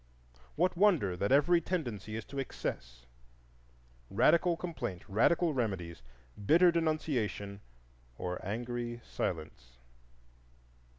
What wonder that every tendency is to excess,—radical complaint, radical remedies, bitter denunciation or angry silence.